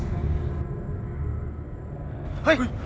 สำหรับฉัน